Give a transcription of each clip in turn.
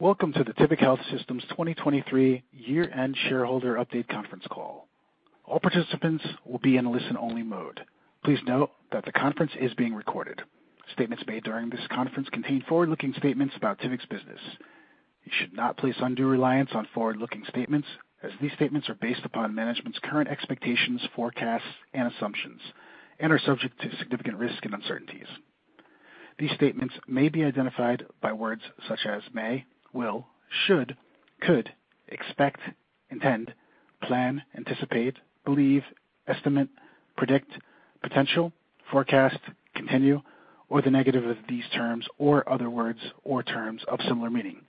Welcome to the Tivic Health Systems 2023 year-end shareholder update conference call. All participants will be in listen-only mode. Please note that the conference is being recorded. Statements made during this conference contain forward-looking statements about Tivic's business. You should not place undue reliance on forward-looking statements, as these statements are based upon management's current expectations, forecasts, and assumptions, and are subject to significant risk and uncertainties. These statements may be identified by words such as may, will, should, could, expect, intend, plan, anticipate, believe, estimate, predict, potential, forecast, continue, or the negative of these terms or other words or terms of similar meaning.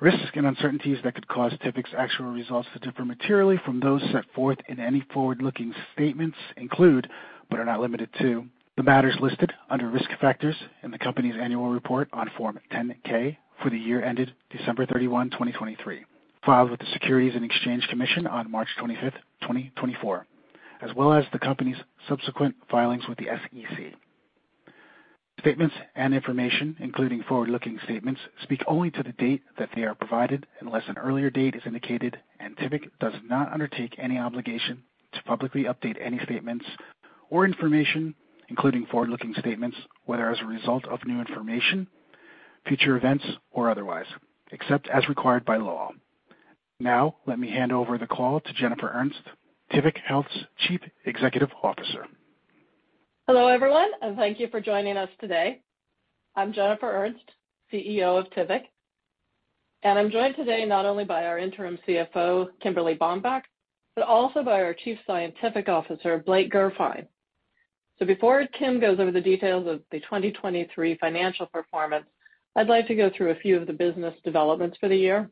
Risks and uncertainties that could cause Tivic's actual results to differ materially from those set forth in any forward-looking statements include, but are not limited to, the matters listed under risk factors in the company's annual report on Form 10-K for the year-ended December 31st, 2023, filed with the Securities and Exchange Commission on March 25th, 2024, as well as the company's subsequent filings with the SEC. Statements and information, including forward-looking statements, speak only to the date that they are provided unless an earlier date is indicated, and Tivic does not undertake any obligation to publicly update any statements or information, including forward-looking statements, whether as a result of new information, future events, or otherwise, except as required by law. Now let me hand over the call to Jennifer Ernst, Tivic Health's Chief Executive Officer. Hello everyone, and thank you for joining us today. I'm Jennifer Ernst, CEO of Tivic, and I'm joined today not only by our interim CFO, Kimberly Bambach, but also by our Chief Scientific Officer, Blake Gurfein. So before Kimberly Bambach goes over the details of the 2023 financial performance, I'd like to go through a few of the business developments for the year,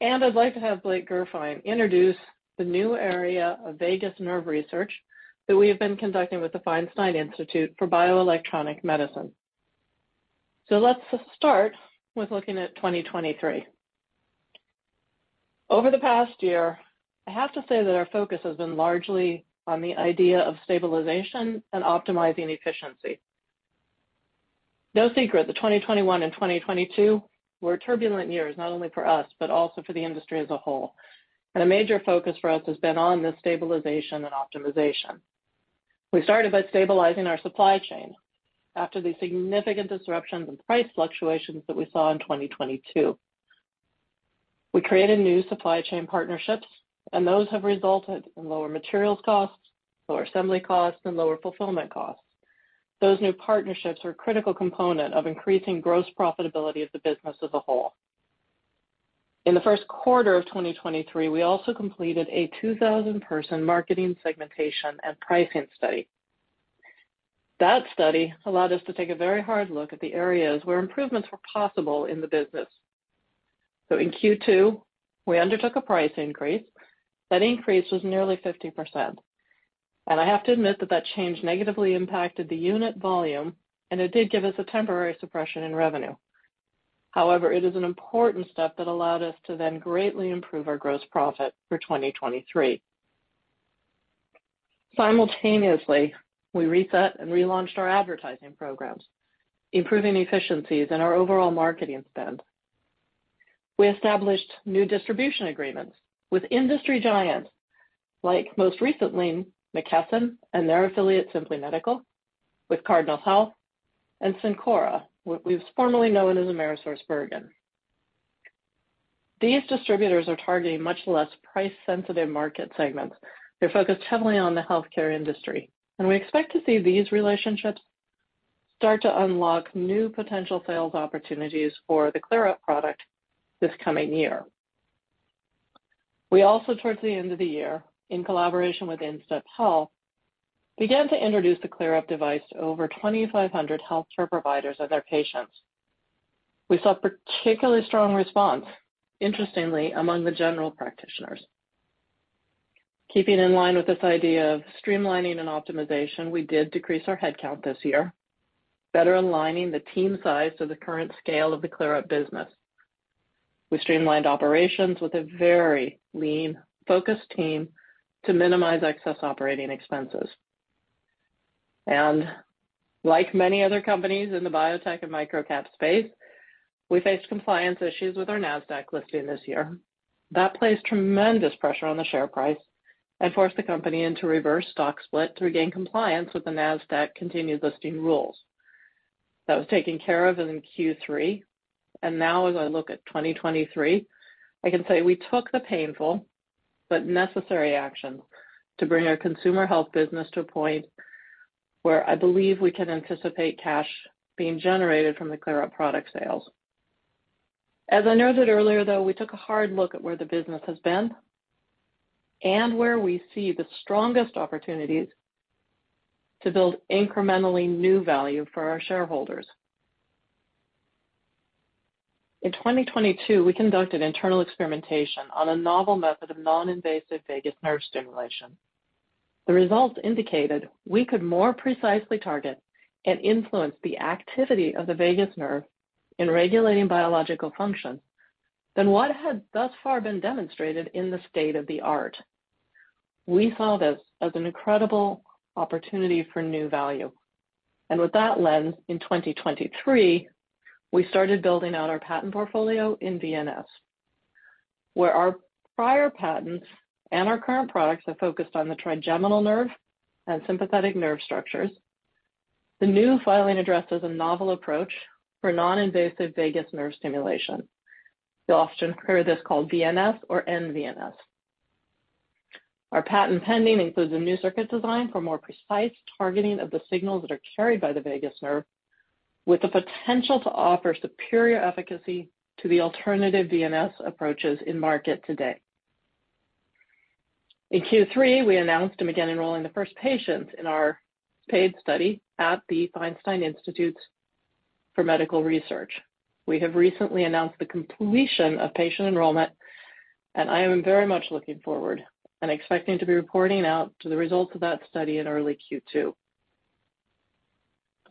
and I'd like to have Blake Gurfein introduce the new area of vagus nerve research that we have been conducting with the Feinstein Institute for Bioelectronic Medicine. So let's start with looking at 2023. Over the past year, I have to say that our focus has been largely on the idea of stabilization and optimizing efficiency. No secret, the 2021 and 2022 were turbulent years not only for us but also for the industry as a whole, and a major focus for us has been on this stabilization and optimization. We started by stabilizing our supply chain after the significant disruptions and price fluctuations that we saw in 2022. We created new supply chain partnerships, and those have resulted in lower materials costs, lower assembly costs, and lower fulfillment costs. Those new partnerships are a critical component of increasing gross profitability of the business as a whole. In the Q1 of 2023, we also completed a 2,000-person marketing segmentation and pricing study. That study allowed us to take a very hard look at the areas where improvements were possible in the business. So in Q2, we undertook a price increase. That increase was nearly 50%, and I have to admit that that change negatively impacted the unit volume, and it did give us a temporary suppression in revenue. However, it is an important step that allowed us to then greatly improve our gross profit for 2023. Simultaneously, we reset and relaunched our advertising programs, improving efficiencies and our overall marketing spend. We established new distribution agreements with industry giants like most recently McKesson and their affiliate, Simply Medical, with Cardinal Health and Cencora, what we've formerly known as AmerisourceBergen. These distributors are targeting much less price-sensitive market segments. They're focused heavily on the healthcare industry, and we expect to see these relationships start to unlock new potential sales opportunities for the ClearUP product this coming year. We also, towards the end of the year, in collaboration with InStep Health, began to introduce the ClearUP device to over 2,500 healthcare providers and their patients. We saw particularly strong response, interestingly, among the general practitioners. Keeping in line with this idea of streamlining and optimization, we did decrease our headcount this year, better aligning the team size to the current scale of the ClearUP business. We streamlined operations with a very lean, focused team to minimize excess operating expenses. And like many other companies in the biotech and microcap space, we faced compliance issues with our NASDAQ listing this year. That placed tremendous pressure on the share price and forced the company into reverse stock split to regain compliance with the NASDAQ continued listing rules. That was taken care of in Q3, and now as I look at 2023, I can say we took the painful but necessary actions to bring our consumer health business to a point where I believe we can anticipate cash being generated from the ClearUP product sales. As I noted earlier, though, we took a hard look at where the business has been and where we see the strongest opportunities to build incrementally new value for our shareholders. In 2022, we conducted internal experimentation on a novel method of non-invasive vagus nerve stimulation. The results indicated we could more precisely target and influence the activity of the vagus nerve in regulating biological functions than what had thus far been demonstrated in the state of the art. We saw this as an incredible opportunity for new value. With that lens, in 2023, we started building out our patent portfolio in VNS, where our prior patents and our current products have focused on the trigeminal nerve and sympathetic nerve structures. The new filing addresses a novel approach for non-invasive vagus nerve stimulation. You'll often hear this called VNS or NVNS. Our patent pending includes a new circuit design for more precise targeting of the signals that are carried by the vagus nerve, with the potential to offer superior efficacy to the alternative VNS approaches in market today. In Q3, we announced and began enrolling the first patients in our paid study at The Feinstein Institutes for Medical Research. We have recently announced the completion of patient enrollment, and I am very much looking forward and expecting to be reporting out on the results of that study in early Q2.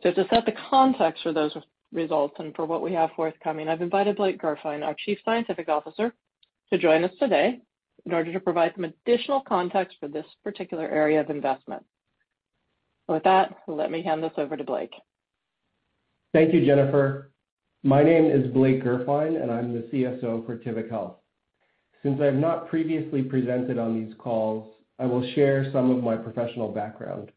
So to set the context for those results and for what we have forthcoming, I've invited Blake Gurfein, our Chief Scientific Officer, to join us today in order to provide some additional context for this particular area of investment. So with that, let me hand this over to Blake Gurfein. Thank you, Jennifer Ernst. My name is Blake Gurfein, and I'm the CSO for Tivic Health. Since I have not previously presented on these calls, I will share some of my professional background.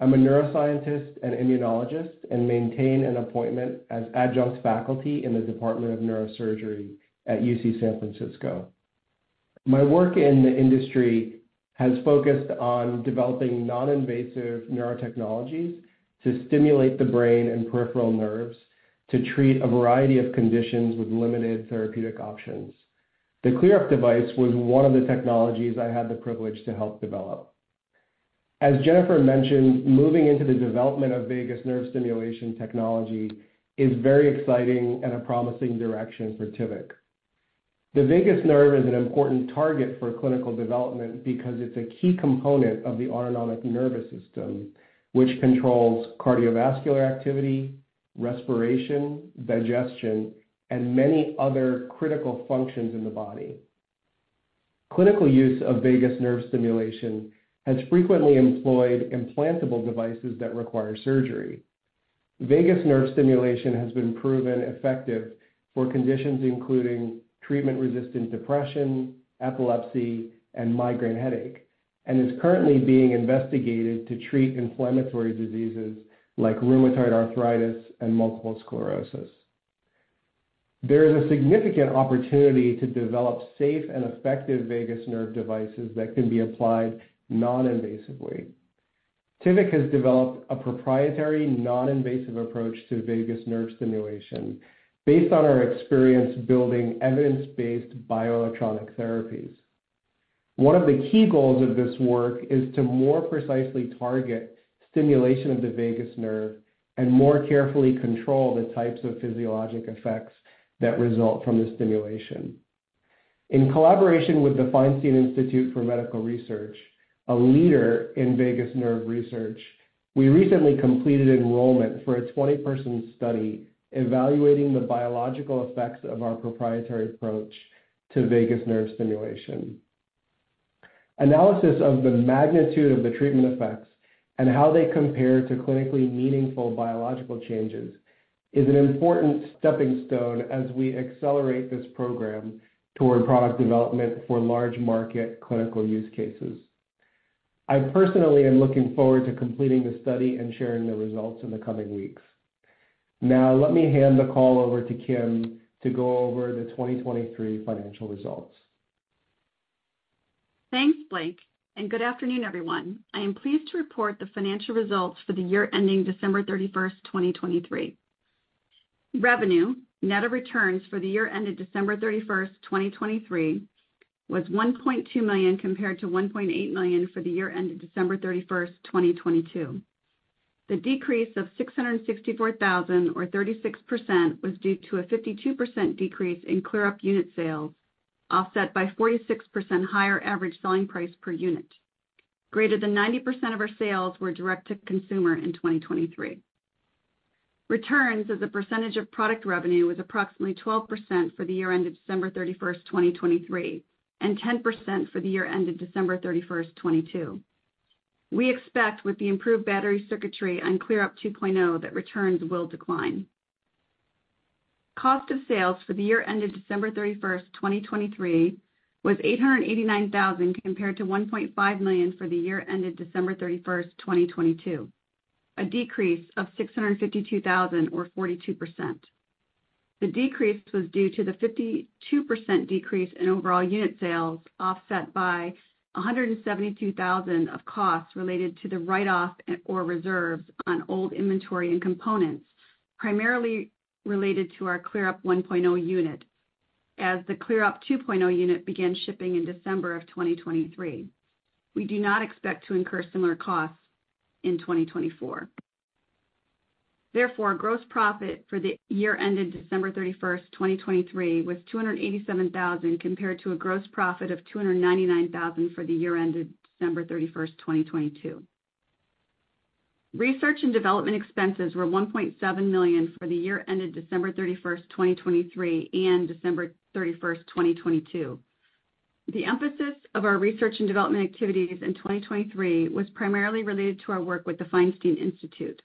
I'm a neuroscientist and immunologist and maintain an appointment as adjunct faculty in the Department of Neurosurgery at UC San Francisco. My work in the industry has focused on developing non-invasive neurotechnologies to stimulate the brain and peripheral nerves to treat a variety of conditions with limited therapeutic options. The ClearUP device was one of the technologies I had the privilege to help develop. As Jennifer Ernst mentioned, moving into the development of vagus nerve stimulation technology is very exciting and a promising direction for Tivic. The vagus nerve is an important target for clinical development because it's a key component of the autonomic nervous system, which controls cardiovascular activity, respiration, digestion, and many other critical functions in the body. Clinical use of vagus nerve stimulation has frequently employed implantable devices that require surgery. Vagus nerve stimulation has been proven effective for conditions including treatment-resistant depression, epilepsy, and migraine headache, and is currently being investigated to treat inflammatory diseases like rheumatoid arthritis and multiple sclerosis. There is a significant opportunity to develop safe and effective vagus nerve devices that can be applied non-invasively. Tivic has developed a proprietary non-invasive approach to vagus nerve stimulation based on our experience building evidence-based bioelectronic therapies. One of the key goals of this work is to more precisely target stimulation of the vagus nerve and more carefully control the types of physiologic effects that result from the stimulation. In collaboration with the Feinstein Institutes for Medical Research, a leader in vagus nerve research, we recently completed enrollment for a 20-person study evaluating the biological effects of our proprietary approach to vagus nerve stimulation. Analysis of the magnitude of the treatment effects and how they compare to clinically meaningful biological changes is an important stepping stone as we accelerate this program toward product development for large-market clinical use cases. I personally am looking forward to completing the study and sharing the results in the coming weeks. Now let me hand the call over to Kimberly Bambach to go over the 2023 financial results. Thanks, Blake Gurfein, and good afternoon, everyone. I am pleased to report the financial results for the year ending December 31st, 2023. Revenue, net of returns for the year-ended December 31st, 2023, was $1.2 million compared to $1.8 million for the year-ended December 31st, 2022. The decrease of $664,000, or 36%, was due to a 52% decrease in ClearUP unit sales, offset by 46% higher average selling price per unit. Greater than 90% of our sales were direct to consumer in 2023. Returns, as a percentage of product revenue, was approximately 12% for the year-ended December 31st, 2023, and 10% for the year-ended December 31st, 2022. We expect, with the improved battery circuitry on ClearUP 2.0, that returns will decline. Cost of sales for the year-ended December 31st, 2023, was $889,000 compared to $1.5 million for the year-ended December 31st, 2022, a decrease of $652,000, or 42%. The decrease was due to the 52% decrease in overall unit sales, offset by $172,000 of costs related to the write-off or reserves on old inventory and components, primarily related to our ClearUP 1.0 unit, as the ClearUP 2.0 unit began shipping in December of 2023. We do not expect to incur similar costs in 2024. Therefore, gross profit for the year-ended December 31st, 2023, was $287,000 compared to a gross profit of $299,000 for the year-ended December 31st, 2022. Research and development expenses were $1.7 million for the year-ended December 31st, 2023, and December 31st, 2022. The emphasis of our research and development activities in 2023 was primarily related to our work with the Feinstein Institute.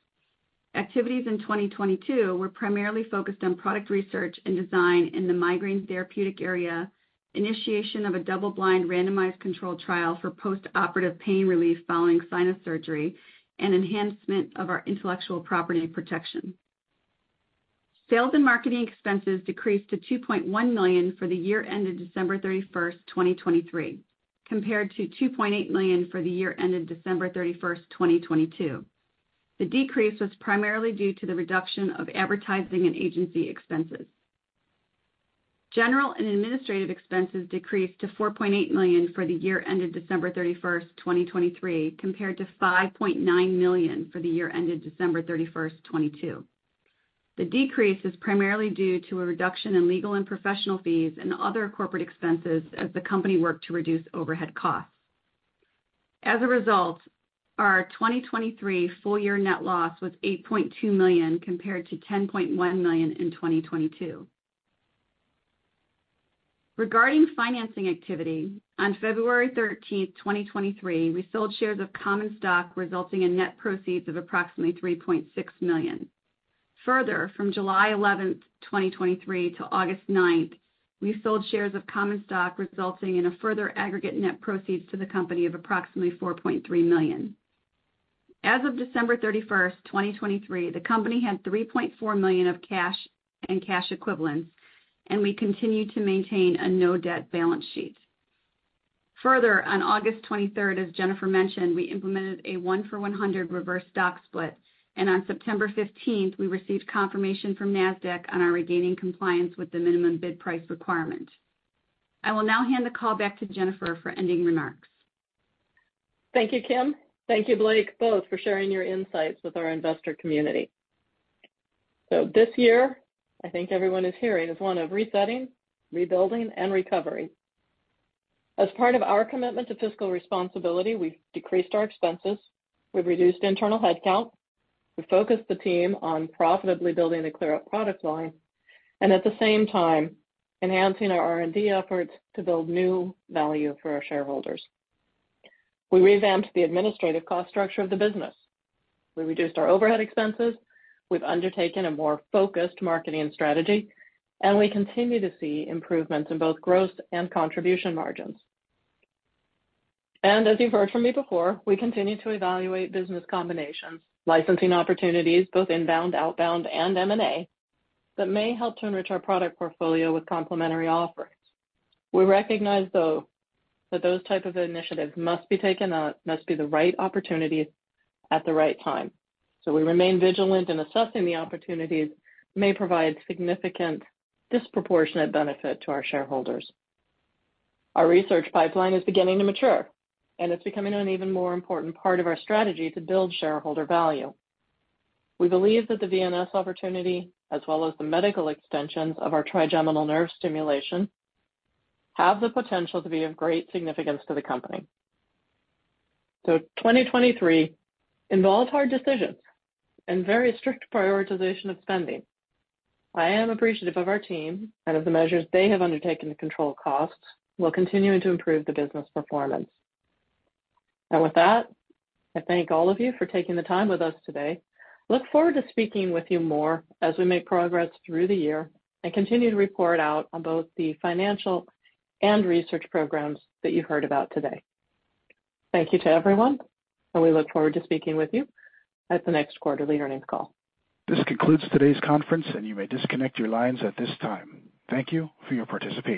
Activities in 2022 were primarily focused on product research and design in the migraine therapeutic area, initiation of a double-blind randomized controlled trial for postoperative pain relief following sinus surgery, and enhancement of our intellectual property protection. Sales and marketing expenses decreased to $2.1 million for the year-ended December 31st, 2023, compared to $2.8 million for the year-ended December 31st, 2022. The decrease was primarily due to the reduction of advertising and agency expenses. General and administrative expenses decreased to $4.8 million for the year-ended December 31st, 2023, compared to $5.9 million for the year-ended December 31st, 2022. The decrease is primarily due to a reduction in legal and professional fees and other corporate expenses as the company worked to reduce overhead costs. As a result, our 2023 full-year net loss was $8.2 million compared to $10.1 million in 2022. Regarding financing activity, on February 13, 2023, we sold shares of common stock, resulting in net proceeds of approximately $3.6 million. Further, from July 11th, 2023, to August 9th, we sold shares of common stock, resulting in a further aggregate net proceeds to the company of approximately $4.3 million. As of December 31st, 2023, the company had $3.4 million of cash and cash equivalents, and we continue to maintain a no-debt balance sheet. Further, on August 23rd, as Jennifer Ernst mentioned, we implemented a 1-for-100 reverse stock split, and on September 15th, we received confirmation from NASDAQ on our regaining compliance with the minimum bid price requirement. I will now hand the call back to Jennifer Ernst for ending remarks. Thank you, Kimberly Bambach. Thank you, Blake Gurfein, both for sharing your insights with our investor community. So this year, I think everyone is hearing, is one of resetting, rebuilding, and recovery. As part of our commitment to fiscal responsibility, we've decreased our expenses, we've reduced internal headcount, we've focused the team on profitably building the ClearUP product line, and at the same time, enhancing our R&D efforts to build new value for our shareholders. We revamped the administrative cost structure of the business. We reduced our overhead expenses. We've undertaken a more focused marketing and strategy, and we continue to see improvements in both gross and contribution margins. And as you've heard from me before, we continue to evaluate business combinations, licensing opportunities, both inbound, outbound, and M&A that may help to enrich our product portfolio with complementary offerings. We recognize, though, that those types of initiatives must be taken on, must be the right opportunities at the right time. We remain vigilant in assessing the opportunities that may provide significant, disproportionate benefit to our shareholders. Our research pipeline is beginning to mature, and it's becoming an even more important part of our strategy to build shareholder value. We believe that the VNS opportunity, as well as the medical extensions of our trigeminal nerve stimulation, have the potential to be of great significance to the company. 2023 involved hard decisions and very strict prioritization of spending. I am appreciative of our team and of the measures they have undertaken to control costs while continuing to improve the business performance. With that, I thank all of you for taking the time with us today. Look forward to speaking with you more as we make progress through the year and continue to report out on both the financial and research programs that you heard about today. Thank you to everyone, and we look forward to speaking with you at the next quarterly earnings call. This concludes today's conference, and you may disconnect your lines at this time. Thank you for your participation.